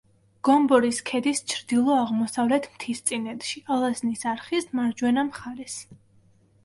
გომბორის ქედის ჩრდილო-აღმოსავლეთ მთისწინეთში, ალაზნის არხის მარჯვენა მხარეს.